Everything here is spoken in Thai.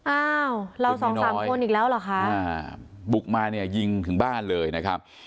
อ้าวเราสองสามคนอีกแล้วเหรอคะบุกมาเนี่ยยิงถึงบ้านเลยนะครับ